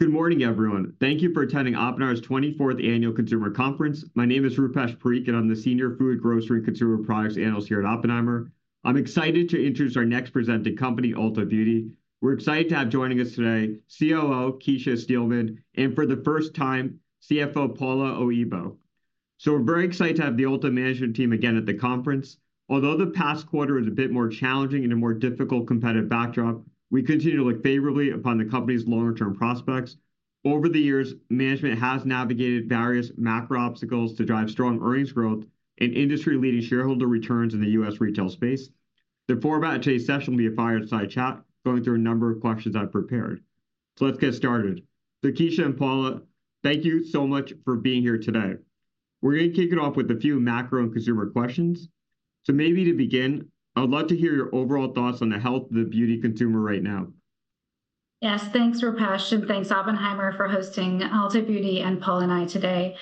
Good morning, everyone. Thank you for attending Oppenheimer's 24th Annual Consumer Conference. My name is Rupesh Parikh, and I'm the senior food, grocery, and consumer products analyst here at Oppenheimer. I'm excited to introduce our next presenting company, Ulta Beauty. We're excited to have joining us today COO Kecia Steelman, and for the first time, CFO Paula Oyibo. We're very excited to have the Ulta management team again at the conference. Although the past quarter is a bit more challenging in a more difficult competitive backdrop, we continue to look favorably upon the company's longer-term prospects. Over the years, management has navigated various macro obstacles to drive strong earnings growth and industry-leading shareholder returns in the U.S. retail space. The format of today's session will be a fireside chat, going through a number of questions I've prepared. Let's get started. Kecia and Paula, thank you so much for being here today. We're going to kick it off with a few macro and consumer questions. Maybe to begin, I would love to hear your overall thoughts on the health of the beauty consumer right now. Yes, thanks, Rupesh, and thanks, Oppenheimer, for hosting Ulta Beauty and Paula and I today.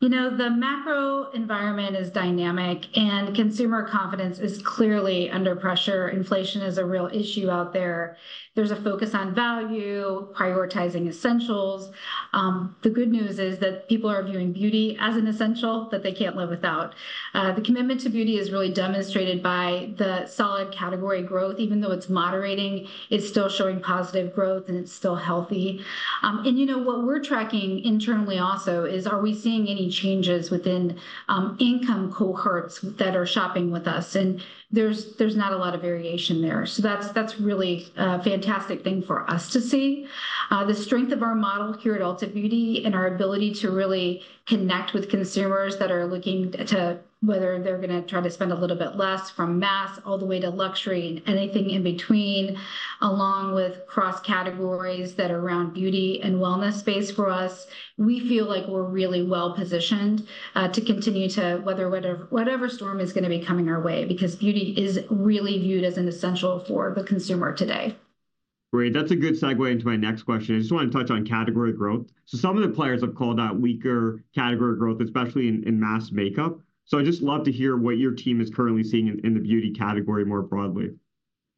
You know, the macro environment is dynamic, and consumer confidence is clearly under pressure. Inflation is a real issue out there. There's a focus on value, prioritizing essentials. The good news is that people are viewing beauty as an essential that they can't live without. The commitment to beauty is really demonstrated by the solid category growth. Even though it's moderating, it's still showing positive growth, and it's still healthy. And you know, what we're tracking internally also is, are we seeing any changes within, income cohorts that are shopping with us? And there's, there's not a lot of variation there, so that's, that's really a fantastic thing for us to see. The strength of our model here at Ulta Beauty and our ability to really connect with consumers that are looking to, whether they're gonna try to spend a little bit less from mass all the way to luxury and anything in between, along with cross-categories that are around beauty and wellness space for us, we feel like we're really well positioned to continue to weather whatever storm is gonna be coming our way. Because beauty is really viewed as an essential for the consumer today. Great. That's a good segue into my next question. I just want to touch on category growth. So some of the players have called out weaker category growth, especially in mass makeup. So I'd just love to hear what your team is currently seeing in the beauty category more broadly.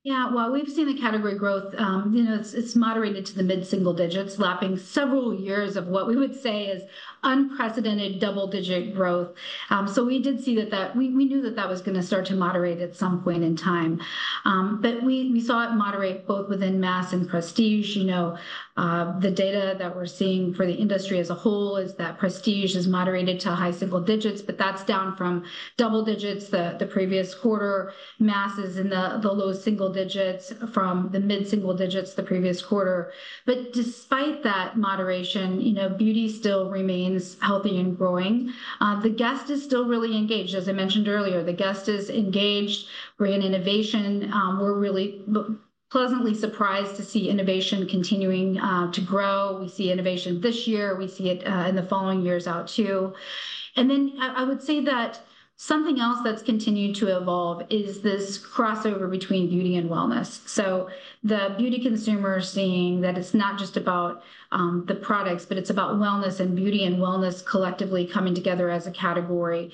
Yeah. Well, we've seen the category growth, you know, it's moderated to the mid-single digits, lapping several years of what we would say is unprecedented double-digit growth. So we did see that. We knew that that was gonna start to moderate at some point in time, but we saw it moderate both within mass and prestige. You know, the data that we're seeing for the industry as a whole is that prestige has moderated to high single digits, but that's down from double digits the previous quarter. Mass is in the low single digits from the mid-single digits the previous quarter. But despite that moderation, you know, beauty still remains healthy and growing. The guest is still really engaged. As I mentioned earlier, the guest is engaged. We're in innovation. We're really pleasantly surprised to see innovation continuing to grow. We see innovation this year. We see it in the following years out, too. And then I would say that something else that's continued to evolve is this crossover between beauty and wellness. So the beauty consumer is seeing that it's not just about the products, but it's about wellness and beauty and wellness collectively coming together as a category.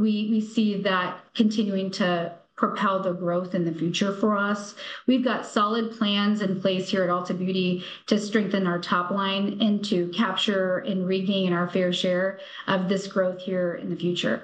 We see that continuing to propel the growth in the future for us. We've got solid plans in place here at Ulta Beauty to strengthen our top line and to capture and regain our fair share of this growth here in the future.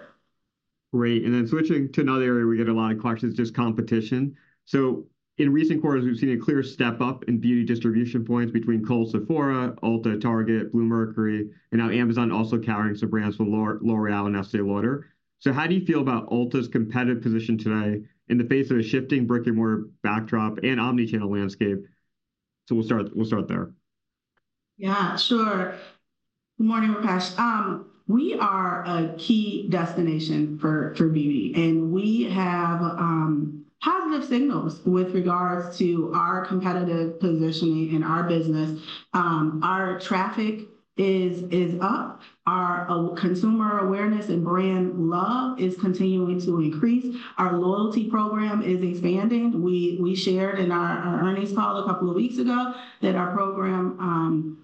Great, and then switching to another area we get a lot of questions, just competition. So in recent quarters, we've seen a clear step-up in beauty distribution points between Kohl's, Sephora, Ulta, Target, Bluemercury, and now Amazon also carrying some brands from L'Oréal and Estée Lauder. So how do you feel about Ulta's competitive position today in the face of a shifting brick-and-mortar backdrop and omni-channel landscape? So we'll start there. Yeah, sure. Good morning, Rupesh. We are a key destination for beauty, and we have positive signals with regards to our competitive positioning in our business. Our traffic is up. Our consumer awareness and brand love is continuing to increase. Our loyalty program is expanding. We shared in our earnings call a couple of weeks ago that our program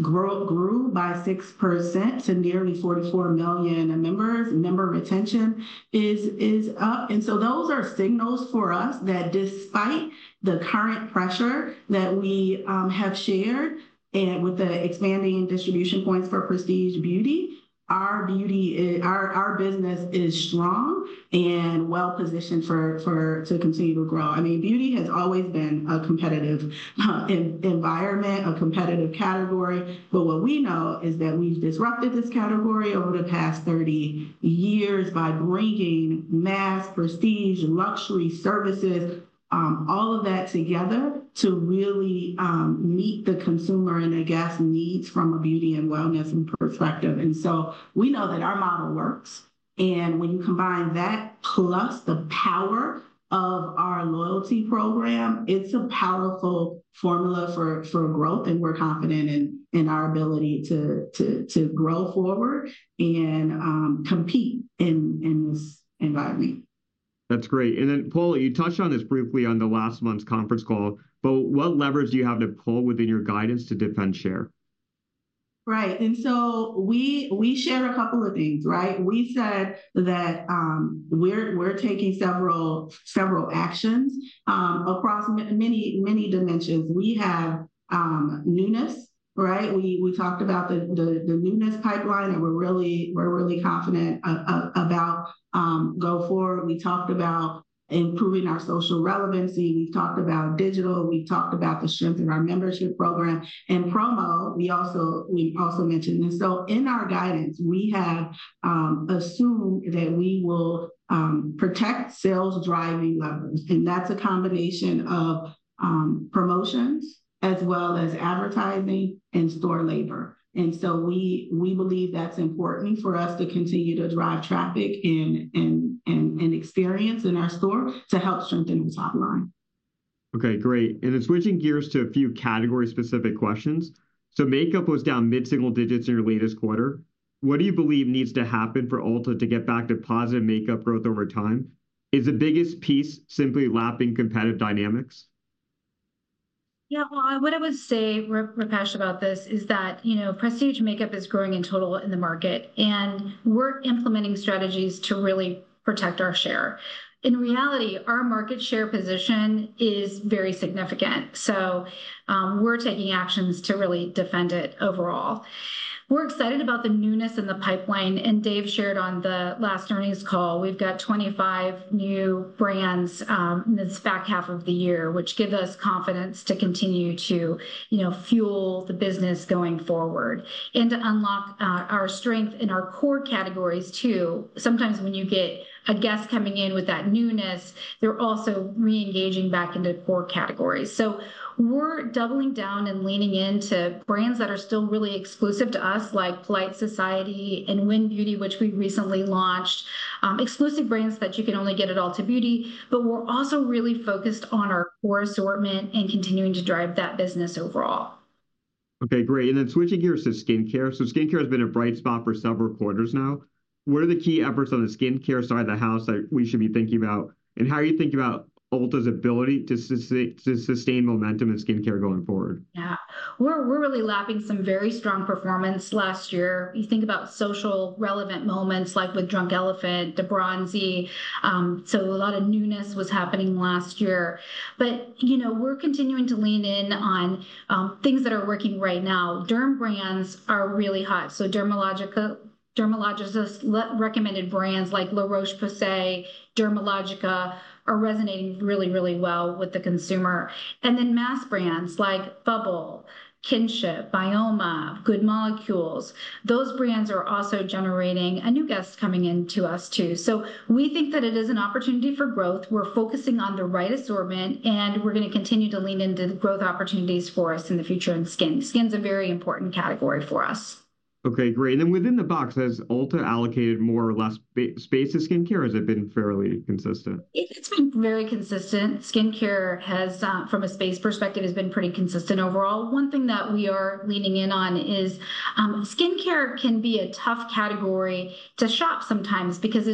grew by 6% to nearly 44 million members. Member retention is up. And so those are signals for us that despite the current pressure that we have shared and with the expanding distribution points for prestige beauty, our business is strong and well-positioned to continue to grow. I mean, beauty has always been a competitive environment, a competitive category. But what we know is that we've disrupted this category over the past 30 years by bringing mass, prestige, and luxury services, all of that together, to really meet the consumer and the guest needs from a beauty and wellness perspective. And so we know that our model works, and when you combine that plus the power of our loyalty program, it's a powerful formula for growth, and we're confident in our ability to grow forward and compete in this environment. That's great. And then, Paula, you touched on this briefly on the last month's conference call, but what leverage do you have to pull within your guidance to defend share?... Right, and so we shared a couple of things, right? We said that we're taking several actions across many dimensions. We have newness, right? We talked about the newness pipeline, and we're really confident about go forward. We talked about improving our social relevancy. We've talked about digital. We've talked about the strength in our membership program. And promo, we also mentioned. And so in our guidance, we have assumed that we will protect sales-driving levers, and that's a combination of promotions as well as advertising and store labor. And so we believe that's important for us to continue to drive traffic and in-store experience in our store to help strengthen the top line. Okay, great. Then switching gears to a few category-specific questions. Makeup was down mid-single digits in your latest quarter. What do you believe needs to happen for Ulta to get back to positive makeup growth over time? Is the biggest piece simply lapping competitive dynamics? Yeah, well, what I would say, Rupesh, about this is that, you know, prestige makeup is growing in total in the market, and we're implementing strategies to really protect our share. In reality, our market share position is very significant, so we're taking actions to really defend it overall. We're excited about the newness in the pipeline, and Dave shared on the last earnings call, we've got 25 new brands in this back half of the year, which give us confidence to continue to, you know, fuel the business going forward and to unlock our strength in our core categories, too. Sometimes when you get a guest coming in with that newness, they're also re-engaging back into core categories. So we're doubling down and leaning into brands that are still really exclusive to us, like Polite Society and WYN Beauty, which we recently launched, exclusive brands that you can only get at Ulta Beauty. But we're also really focused on our core assortment and continuing to drive that business overall. Okay, great. And then switching gears to skincare. So skincare has been a bright spot for several quarters now. What are the key efforts on the skincare side of the house that we should be thinking about, and how are you thinking about Ulta's ability to sustain momentum in skincare going forward? Yeah. We're, we're really lapping some very strong performance last year. You think about socially relevant moments, like with Drunk Elephant, D-Bronzi, so a lot of newness was happening last year. But, you know, we're continuing to lean in on things that are working right now. Derm brands are really hot, so Dermalogica, dermatologist-recommended brands like La Roche-Posay, Dermalogica are resonating really, really well with the consumer. And then mass brands like Bubble, Kinship, Byoma, Good Molecules, those brands are also generating a new guest coming into us, too. So we think that it is an opportunity for growth. We're focusing on the right assortment, and we're gonna continue to lean into the growth opportunities for us in the future in skin. Skin's a very important category for us. Okay, great. And within the box, has Ulta allocated more or less space to skincare, or has it been fairly consistent? It's been very consistent. Skincare has, from a space perspective, been pretty consistent overall. One thing that we are leaning in on is, skincare can be a tough category to shop sometimes because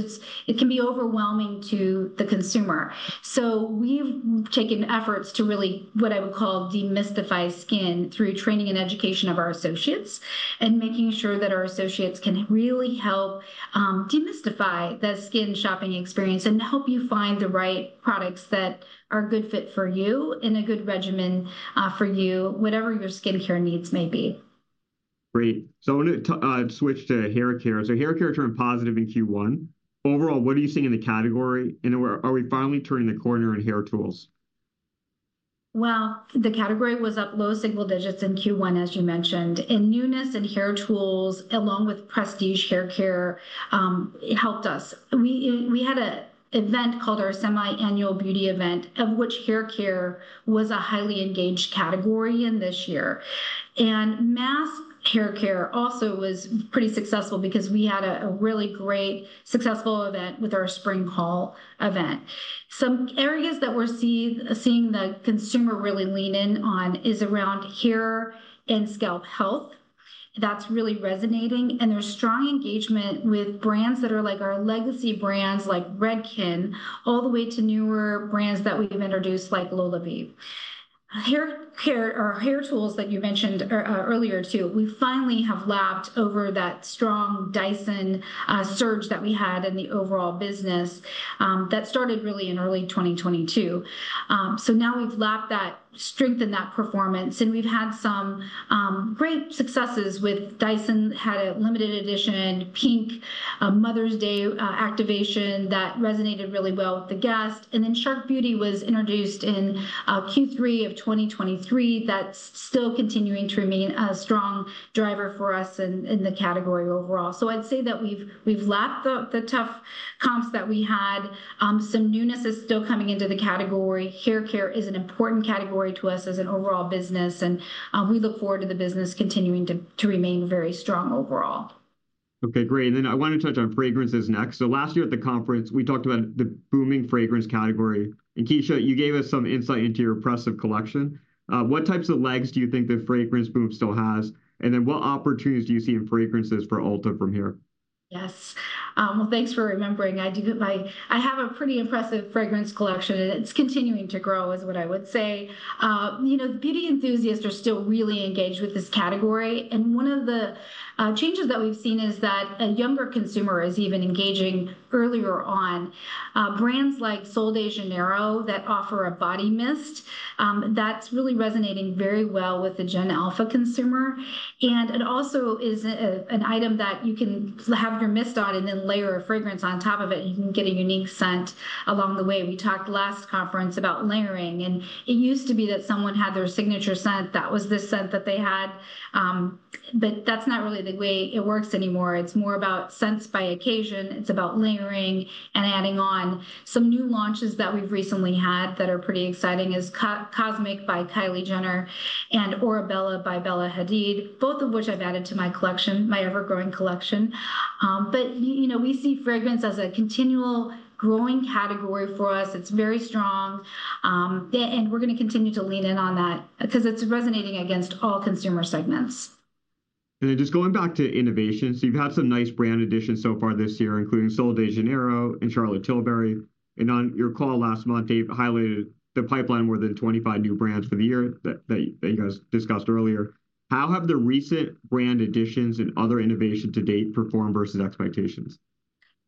it can be overwhelming to the consumer. So we've taken efforts to really, what I would call, demystify skin through training and education of our associates, and making sure that our associates can really help, demystify the skin shopping experience and help you find the right products that are a good fit for you and a good regimen, for you, whatever your skincare needs may be. Great. So I'm gonna switch to haircare. So haircare turned positive in Q1. Overall, what are you seeing in the category, and are we finally turning the corner in hair tools? Well, the category was up low single digits in Q1, as you mentioned, and newness in hair tools, along with prestige haircare, helped us. We, we had an event called our Semi-Annual Beauty Event, of which haircare was a highly engaged category in this year. And mass haircare also was pretty successful because we had a really great, successful event with our Spring Haul Event. Some areas that we're seeing the consumer really lean in on is around hair and scalp health. That's really resonating, and there's strong engagement with brands that are like our legacy brands, like Redken, all the way to newer brands that we've introduced, like LolaVie. Hair care or hair tools that you mentioned earlier, too, we finally have lapped over that strong Dyson surge that we had in the overall business, that started really in early 2022. So now we've lapped that strength and that performance, and we've had some great successes with Dyson, had a limited edition pink Mother's Day activation that resonated really well with the guest. And then Shark Beauty was introduced in Q3 of 2023. That's still continuing to remain a strong driver for us in the category overall. So I'd say that we've lapped the tough comps that we had. Some newness is still coming into the category. Haircare is an important category to us as an overall business, and we look forward to the business continuing to remain very strong overall. Okay, great. And then I want to touch on fragrances next. So last year at the conference, we talked about the booming fragrance category. And Kecia, you gave us some insight into your impressive collection. What types of legs do you think the fragrance boom still has? And then what opportunities do you see in fragrances for Ulta from here? ... Yes. Well, thanks for remembering. I do get my-- I have a pretty impressive fragrance collection, and it's continuing to grow, is what I would say. You know, beauty enthusiasts are still really engaged with this category, and one of the changes that we've seen is that a younger consumer is even engaging earlier on. Brands like Sol de Janeiro that offer a body mist, that's really resonating very well with the Gen Alpha consumer. And it also is a, an item that you can have your mist on and then layer a fragrance on top of it, and you can get a unique scent along the way. We talked last conference about layering, and it used to be that someone had their signature scent, that was the scent that they had. But that's not really the way it works anymore. It's more about scents by occasion. It's about layering and adding on. Some new launches that we've recently had that are pretty exciting is Cosmic by Kylie Jenner and Orebella by Bella Hadid, both of which I've added to my collection, my ever-growing collection. But you know, we see fragrance as a continual growing category for us. It's very strong. And we're gonna continue to lean in on that because it's resonating against all consumer segments. Then just going back to innovation, so you've had some nice brand additions so far this year, including Sol de Janeiro and Charlotte Tilbury. On your call last month, Dave highlighted the pipeline, more than 25 new brands for the year that you guys discussed earlier. How have the recent brand additions and other innovation to date performed versus expectations?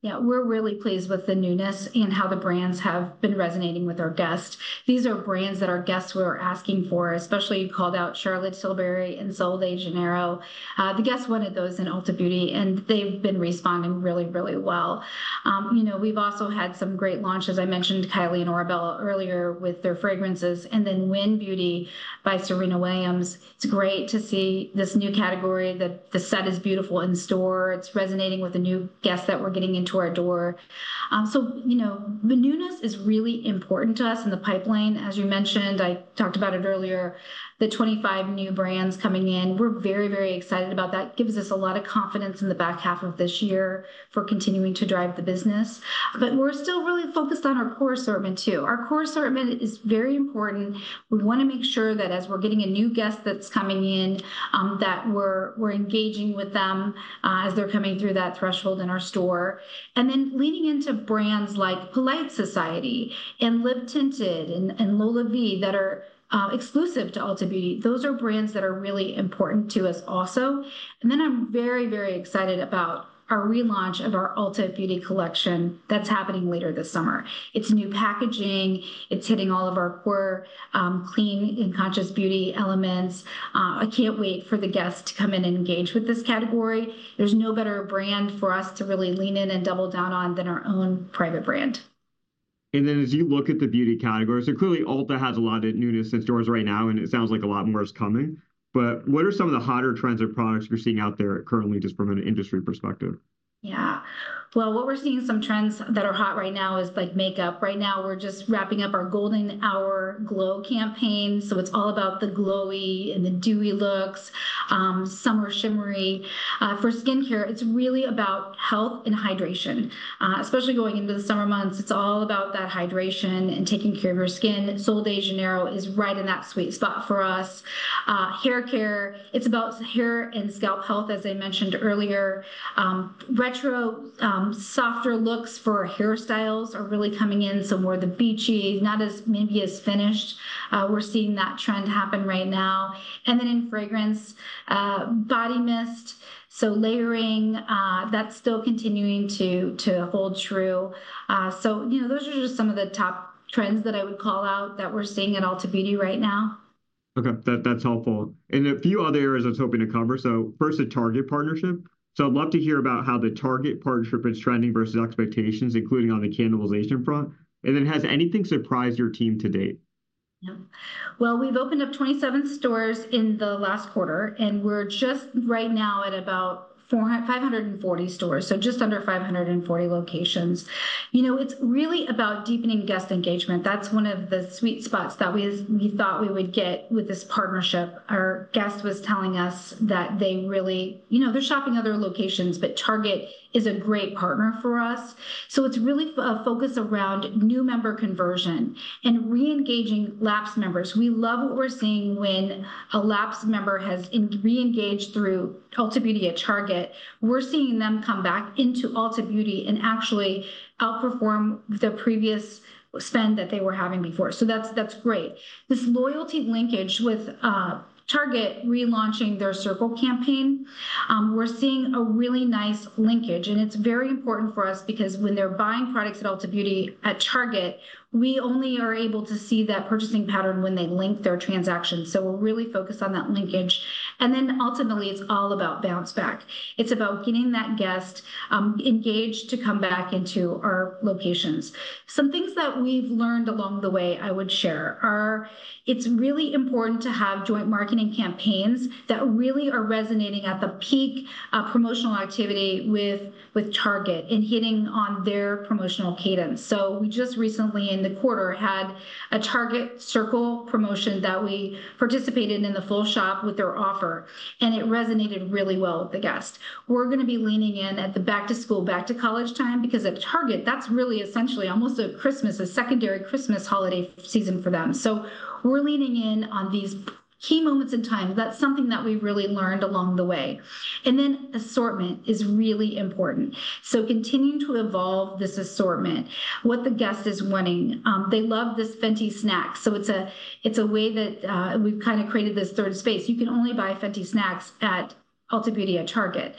Yeah, we're really pleased with the newness and how the brands have been resonating with our guests. These are brands that our guests were asking for, especially you called out Charlotte Tilbury and Sol de Janeiro. The guests wanted those in Ulta Beauty, and they've been responding really, really well. You know, we've also had some great launches. I mentioned Kylie and Orebella earlier with their fragrances, and then WYN Beauty by Serena Williams. It's great to see this new category, that the set is beautiful in store. It's resonating with the new guests that we're getting into our door. So, you know, the newness is really important to us in the pipeline. As you mentioned, I talked about it earlier, the 25 new brands coming in, we're very, very excited about that. Gives us a lot of confidence in the back half of this year for continuing to drive the business. But we're still really focused on our core assortment, too. Our core assortment is very important. We want to make sure that as we're getting a new guest that's coming in, that we're engaging with them as they're coming through that threshold in our store. And then leaning into brands like Polite Society and Live Tinted and LolaVie, that are exclusive to Ulta Beauty. Those are brands that are really important to us also. And then I'm very, very excited about our relaunch of our Ulta Beauty Collection that's happening later this summer. It's new packaging. It's hitting all of our core clean and conscious beauty elements. I can't wait for the guests to come in and engage with this category. There's no better brand for us to really lean in and double down on than our own private brand. As you look at the beauty categories, so clearly Ulta has a lot of newness in stores right now, and it sounds like a lot more is coming. What are some of the hotter trends or products you're seeing out there currently, just from an industry perspective? Yeah. Well, what we're seeing, some trends that are hot right now is, like, makeup. Right now, we're just wrapping up our Golden Hour Glow campaign, so it's all about the glowy and the dewy looks, summer shimmery. For skincare, it's really about health and hydration. Especially going into the summer months, it's all about that hydration and taking care of your skin. Sol de Janeiro is right in that sweet spot for us. Haircare, it's about hair and scalp health, as I mentioned earlier. Retro, softer looks for hairstyles are really coming in, so more the beachy, not as maybe as finished. We're seeing that trend happen right now. And then in fragrance, body mist, so layering, that's still continuing to hold true. So, you know, those are just some of the top trends that I would call out that we're seeing at Ulta Beauty right now. Okay, that's helpful. And a few other areas I was hoping to cover, so first, the Target partnership. So I'd love to hear about how the Target partnership is trending versus expectations, including on the cannibalization front. And then, has anything surprised your team to date? Yeah. Well, we've opened up 27 stores in the last quarter, and we're just right now at about 540 stores, so just under 540 locations. You know, it's really about deepening guest engagement. That's one of the sweet spots that we thought we would get with this partnership. Our guest was telling us that they really... You know, they're shopping other locations, but Target is a great partner for us. So it's really focused around new member conversion and re-engaging lapsed members. We love what we're seeing when a lapsed member has re-engaged through Ulta Beauty at Target. We're seeing them come back into Ulta Beauty and actually outperform their previous spend that they were having before. So that's great. This loyalty linkage with Target relaunching their Target Circle campaign, we're seeing a really nice linkage, and it's very important for us because when they're buying products at Ulta Beauty at Target, we only are able to see that purchasing pattern when they link their transactions. So we're really focused on that linkage. And then ultimately, it's all about bounce back. It's about getting that guest engaged to come back into our locations. Some things that we've learned along the way I would share are, it's really important to have joint marketing campaigns that really are resonating at the peak promotional activity with Target and hitting on their promotional cadence. So we just recently, in the quarter, had a Target Circle promotion that we participated in, in the full shop with their offer, and it resonated really well with the guests. We're gonna be leaning in at the back-to-school, back-to-college time, because at Target, that's really essentially almost a Christmas, a secondary Christmas holiday season for them. So we're leaning in on these key moments in time. That's something that we've really learned along the way. And then assortment is really important. So continuing to evolve this assortment, what the guest is wanting. They love this Fenty Snackz, so it's a, it's a way that, we've kind of created this third space. You can only buy Fenty Snackz at Ulta Beauty at Target.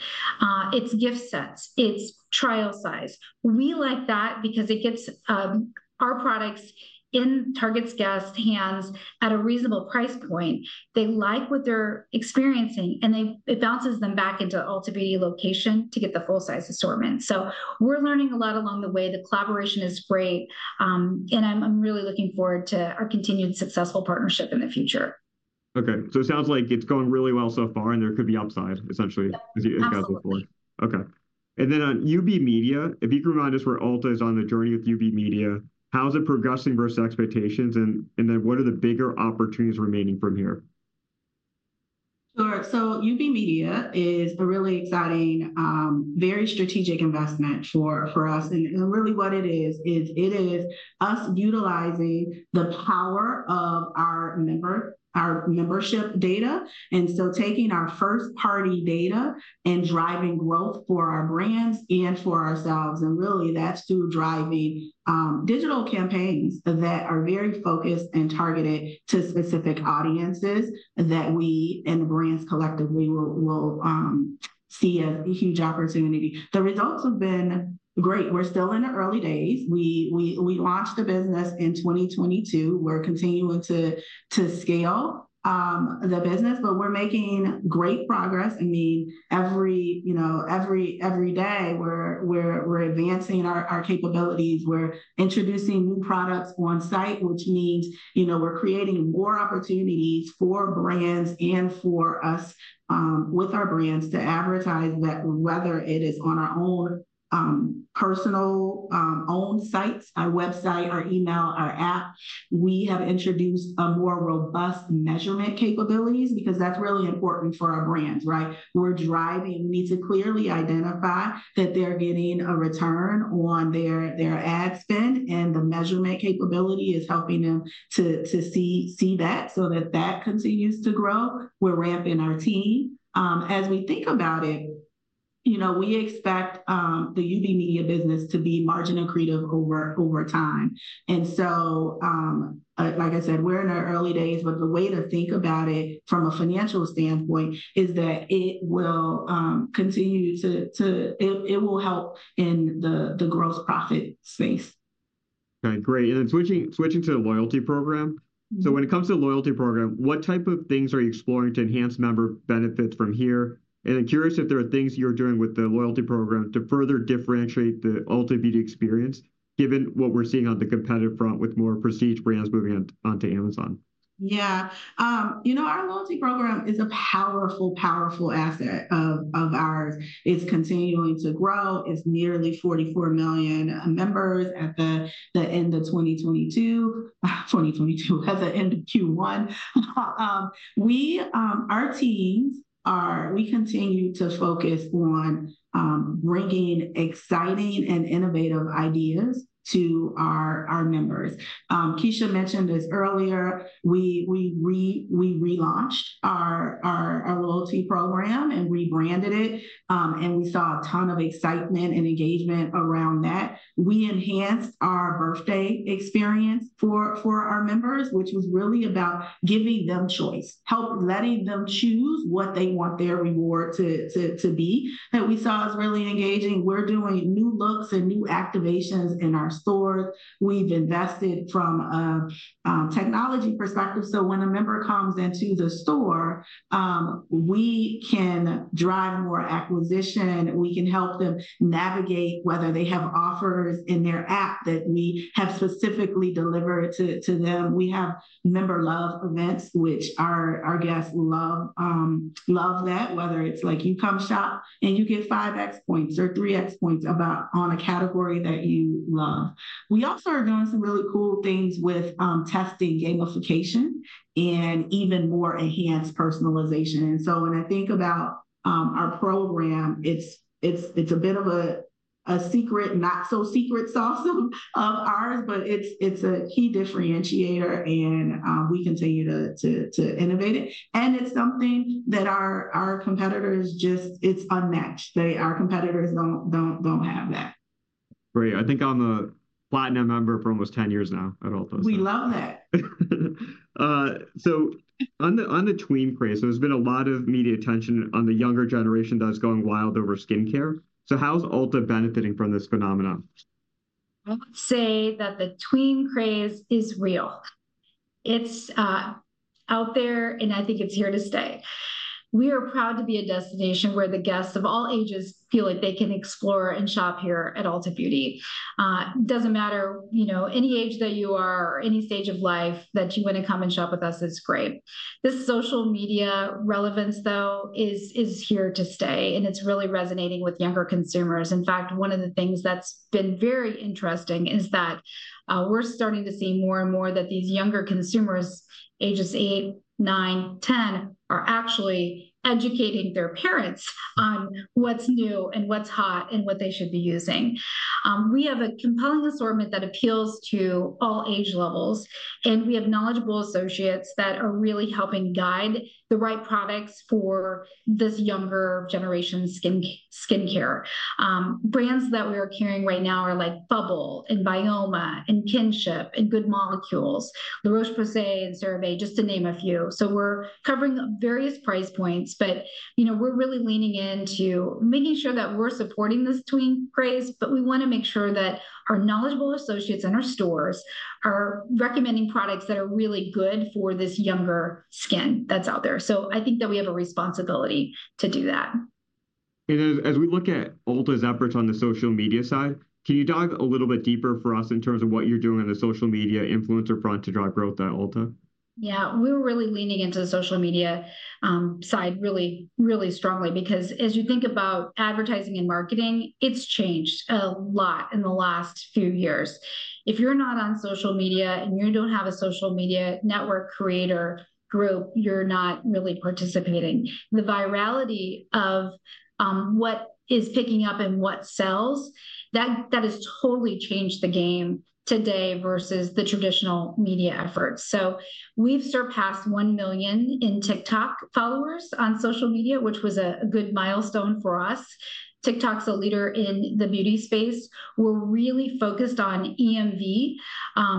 It's gift sets. It's trial size. We like that because it gets, our products in Target's guests' hands at a reasonable price point. They like what they're experiencing, and they-- it bounces them back into Ulta Beauty location to get the full-size assortment. So we're learning a lot along the way. The collaboration is great, and I'm really looking forward to our continued successful partnership in the future. Okay, so it sounds like it's going really well so far, and there could be upside, essentially. Yep, absolutely. As you guys look forward. Okay. And then on UB Media, if you could remind us where Ulta is on the journey with UB Media, how is it progressing versus expectations, and then what are the bigger opportunities remaining from here? Sure. So UB Media is a really exciting, very strategic investment for us. And really what it is, is it is us utilizing the power of our membership data, and so taking our first-party data and driving growth for our brands and for ourselves, and really that's through driving digital campaigns that are very focused and targeted to specific audiences that we and the brands collectively will see as a huge opportunity. The results have been great. We're still in the early days. We launched the business in 2022. We're continuing to scale the business, but we're making great progress. I mean, every, you know, every day, we're advancing our capabilities. We're introducing new products on site, which means, you know, we're creating more opportunities for brands and for us with our brands to advertise, that whether it is on our own personal owned sites, our website, our email, our app. We have introduced a more robust measurement capabilities because that's really important for our brands, right? We're driving. We need to clearly identify that they're getting a return on their ad spend, and the measurement capability is helping them to see that, so that that continues to grow. We're ramping our team. As we think about it, you know, we expect the UB Media business to be margin accretive over time. And so, like I said, we're in our early days, but the way to think about it from a financial standpoint is that it will continue to... It will help in the gross profit space. Okay, great. And then switching to the loyalty program. Mm-hmm. When it comes to the loyalty program, what type of things are you exploring to enhance member benefits from here? And I'm curious if there are things you're doing with the loyalty program to further differentiate the Ulta Beauty experience, given what we're seeing on the competitive front with more prestige brands moving on, onto Amazon? Yeah. You know, our loyalty program is a powerful, powerful asset of ours. It's continuing to grow. It's nearly 44 million members at the end of 2022. 2022, at the end of Q1. Our teams are... We continue to focus on bringing exciting and innovative ideas to our members. Kecia mentioned this earlier. We relaunched our loyalty program and rebranded it, and we saw a ton of excitement and engagement around that. We enhanced our birthday experience for our members, which was really about giving them choice, help letting them choose what they want their reward to be, that we saw as really engaging. We're doing new looks and new activations in our stores. We've invested from a technology perspective, so when a member comes into the store, we can drive more acquisition. We can help them navigate whether they have offers in their app that we have specifically delivered to them. We have Member Love events, which our guests love, love that, whether it's like, you come shop, and you get 5x points or 3x points on a category that you love. We also are doing some really cool things with testing gamification and even more enhanced personalization. So when I think about our program, it's a bit of a secret, not-so-secret sauce, ours, but it's a key differentiator, and we continue to innovate it. It's something that our competitors just... It's unmatched. Our competitors don't have that. Great. I think I'm a platinum member for almost 10 years now at Ulta, so- We love that! So on the tween craze, there's been a lot of media attention on the younger generation that's going wild over skincare. So how's Ulta benefiting from this phenomenon?... I would say that the tween craze is real. It's out there, and I think it's here to stay. We are proud to be a destination where the guests of all ages feel like they can explore and shop here at Ulta Beauty. Doesn't matter, you know, any age that you are or any stage of life, that you wanna come and shop with us is great. This social media relevance, though, is here to stay, and it's really resonating with younger consumers. In fact, one of the things that's been very interesting is that we're starting to see more and more that these younger consumers, ages eight, nine, 10, are actually educating their parents on what's new and what's hot, and what they should be using. We have a compelling assortment that appeals to all age levels, and we have knowledgeable associates that are really helping guide the right products for this younger generation's skincare. Brands that we are carrying right now are, like, Bubble and Byoma, and Kinship, and Good Molecules, La Roche-Posay, and CeraVe, just to name a few. So we're covering various price points, but, you know, we're really leaning into making sure that we're supporting this tween craze, but we wanna make sure that our knowledgeable associates in our stores are recommending products that are really good for this younger skin that's out there. So I think that we have a responsibility to do that. As we look at Ulta's efforts on the social media side, can you dive a little bit deeper for us in terms of what you're doing on the social media influencer front to drive growth at Ulta? Yeah, we're really leaning into the social media, side really, really strongly. Because as you think about advertising and marketing, it's changed a lot in the last few years. If you're not on social media, and you don't have a social media network creator group, you're not really participating. The virality of, what is picking up and what sells, that has totally changed the game today versus the traditional media efforts. So we've surpassed 1 million in TikTok followers on social media, which was a good milestone for us. TikTok's a leader in the beauty space. We're really focused on EMV,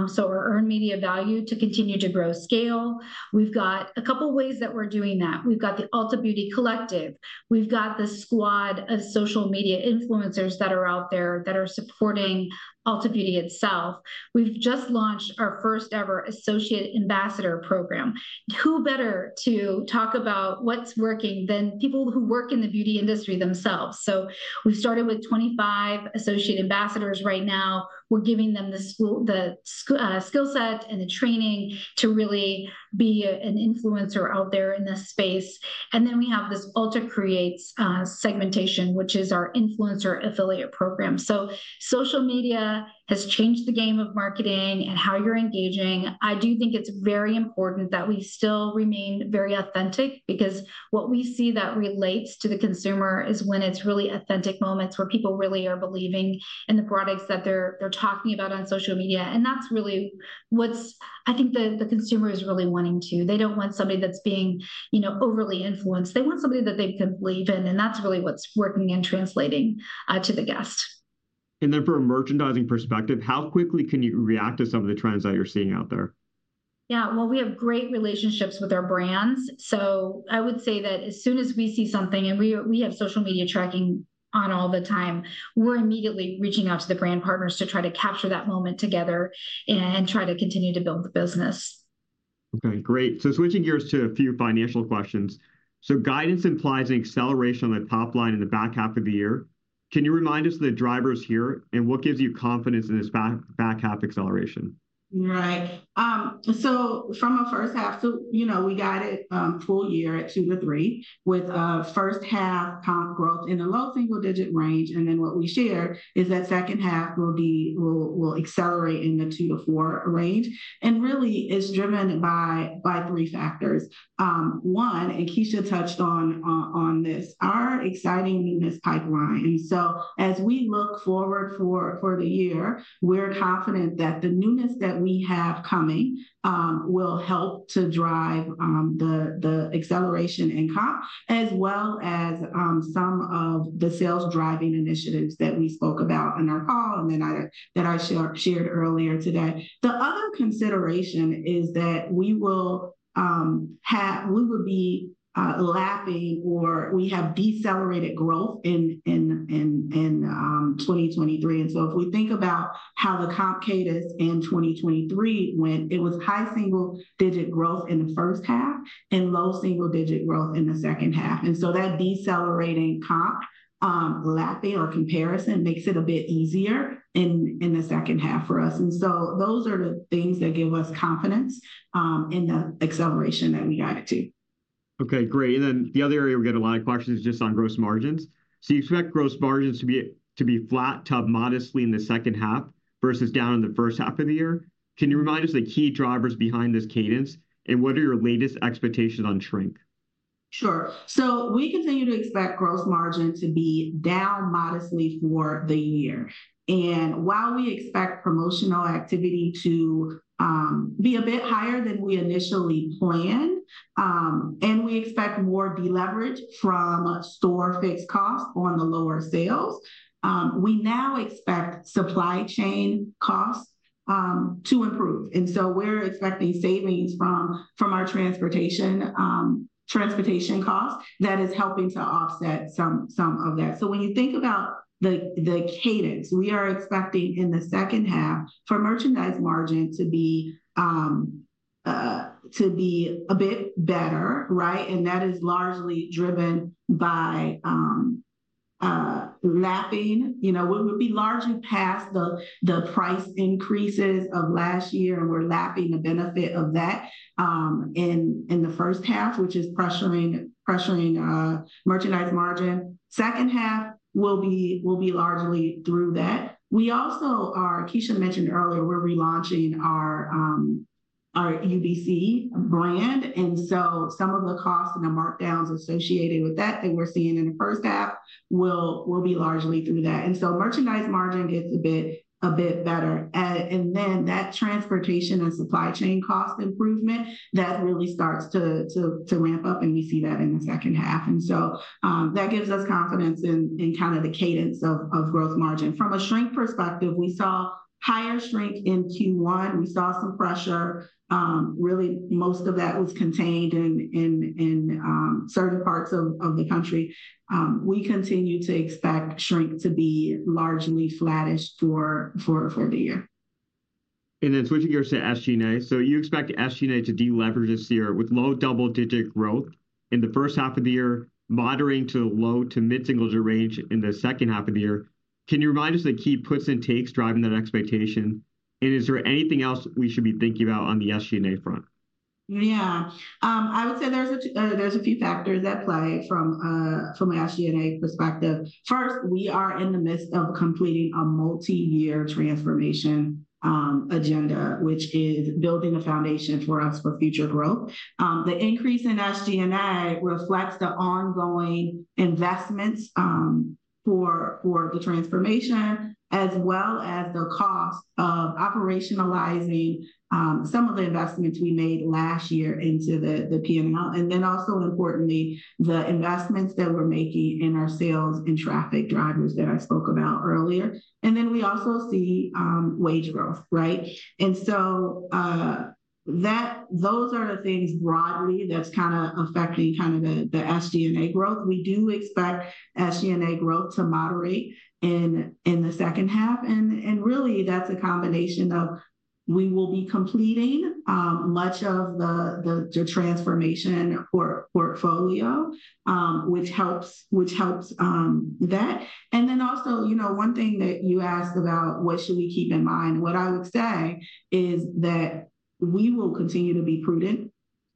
so our earned media value, to continue to grow scale. We've got a couple ways that we're doing that. We've got the Ulta Beauty Collective. We've got the squad of social media influencers that are out there, that are supporting Ulta Beauty itself. We've just launched our first-ever Associate Ambassador Program. Who better to talk about what's working than people who work in the beauty industry themselves? So we've started with 25 associate ambassadors right now. We're giving them the skill set and the training to really be an influencer out there in the space. And then we have this Ulta Creates segmentation, which is our influencer affiliate program. So social media has changed the game of marketing and how you're engaging. I do think it's very important that we still remain very authentic, because what we see that relates to the consumer is when it's really authentic moments, where people really are believing in the products that they're talking about on social media. And that's really what's, I think, the consumer is really wanting, too. They don't want somebody that's being, you know, overly influenced. They want somebody that they can believe in, and that's really what's working and translating to the guest. And then from a merchandising perspective, how quickly can you react to some of the trends that you're seeing out there? Yeah, well, we have great relationships with our brands, so I would say that as soon as we see something, and we have social media tracking on all the time, we're immediately reaching out to the brand partners to try to capture that moment together and try to continue to build the business. Okay, great. So switching gears to a few financial questions. So guidance implies an acceleration on the top line in the back half of the year. Can you remind us of the drivers here, and what gives you confidence in this back, back half acceleration? Right. So from a first half, so, you know, we guided full year at 2-3, with first half comp growth in the low single-digit range. And then what we shared is that second half will accelerate in the 2-4 range, and really is driven by three factors. One, and Kecia touched on this, our exciting newness pipeline. So as we look forward for the year, we're confident that the newness that we have coming will help to drive the acceleration in comp, as well as some of the sales-driving initiatives that we spoke about on our call, and then that I shared earlier today. The other consideration is that we will have—we will be lapping, or we have decelerated growth in 2023. And so if we think about how the comp cadence in 2023, when it was high single-digit growth in the first half and low single-digit growth in the second half, and so that decelerating comp, lapping or comparison, makes it a bit easier in the second half for us. And so those are the things that give us confidence in the acceleration that we guided to. Okay, great. And then the other area we get a lot of questions is just on gross margins. So you expect gross margins to be flat to up modestly in the second half, versus down in the first half of the year. Can you remind us the key drivers behind this cadence, and what are your latest expectations on shrink? Sure. So we continue to expect gross margin to be down modestly for the year. And while we expect promotional activity to be a bit higher than we initially planned, and we expect more deleverage from store fixed costs on the lower sales, we now expect supply chain costs to improve. And so we're expecting savings from our transportation costs that is helping to offset some of that. So when you think about the cadence, we are expecting in the second half for merchandise margin to be a bit better, right? And that is largely driven by lapping. You know, we would be largely past the price increases of last year, and we're lapping the benefit of that in the first half, which is pressuring merchandise margin. Second half will be largely through that. We also, Kecia mentioned earlier, we're relaunching our UBC brand, and so some of the costs and the markdowns associated with that we're seeing in the first half will be largely through that. And so merchandise margin gets a bit better. And then that transportation and supply chain cost improvement, that really starts to ramp up, and we see that in the second half. And so, that gives us confidence in kind of the cadence of growth margin. From a shrink perspective, we saw higher shrink in Q1. We saw some pressure. Really, most of that was contained in certain parts of the country. We continue to expect shrink to be largely flattish for the year. Switching gears to SG&A. You expect SG&A to deleverage this year with low double-digit growth in the first half of the year, moderating to low to mid-single-digit range in the second half of the year. Can you remind us the key puts and takes driving that expectation? Is there anything else we should be thinking about on the SG&A front? Yeah. I would say there's a few factors at play from an SG&A perspective. First, we are in the midst of completing a multi-year transformation agenda, which is building a foundation for us for future growth. The increase in SG&A reflects the ongoing investments for the transformation, as well as the cost of operationalizing some of the investments we made last year into the P&L. And then also importantly, the investments that we're making in our sales and traffic drivers that I spoke about earlier. And then we also see wage growth, right? And so, those are the things broadly that's kind of affecting kind of the SG&A growth. We do expect SG&A growth to moderate in the second half, and really, that's a combination of we will be completing much of the transformation or portfolio, which helps that. And then also, you know, one thing that you asked about, what should we keep in mind? What I would say is that we will continue to be prudent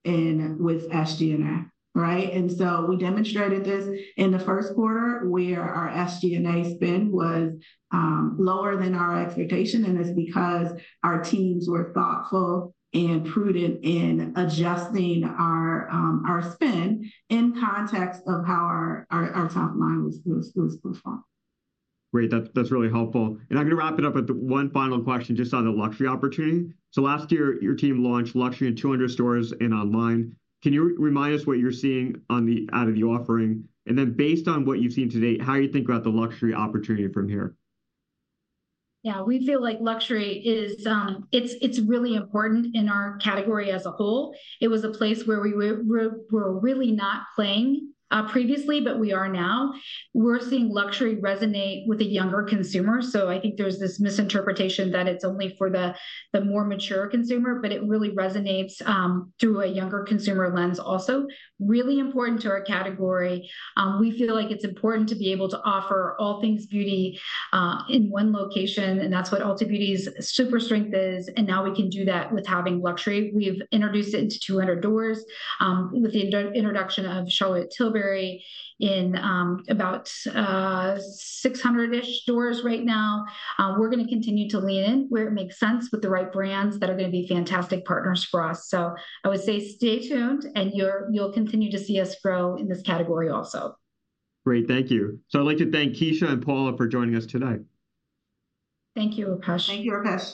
with SG&A, right? And so we demonstrated this in the first quarter, where our SG&A spend was lower than our expectation, and it's because our teams were thoughtful and prudent in adjusting our spend in context of how our top line was performing. Great. That's, that's really helpful. And I'm gonna wrap it up with one final question just on the luxury opportunity. So last year, your team launched luxury in 200 stores and online. Can you remind us what you're seeing on the, out of the offering? And then based on what you've seen to date, how you think about the luxury opportunity from here? Yeah. We feel like luxury is, it's really important in our category as a whole. It was a place where we were, we're really not playing previously, but we are now. We're seeing luxury resonate with the younger consumer, so I think there's this misinterpretation that it's only for the more mature consumer, but it really resonates through a younger consumer lens also, really important to our category. We feel like it's important to be able to offer all things beauty in one location, and that's what Ulta Beauty's super strength is, and now we can do that with having luxury. We've introduced it into 200 stores with the introduction of Charlotte Tilbury in about 600-ish stores right now. We're gonna continue to lean in where it makes sense with the right brands that are gonna be fantastic partners for us. So I would say stay tuned, and you'll continue to see us grow in this category also. Great. Thank you. So I'd like to thank Kecia and Paula for joining us today. Thank you, Rupesh. Thank you, Rupesh.